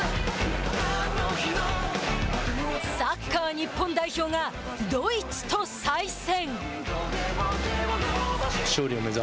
サッカー日本代表がドイツと再戦。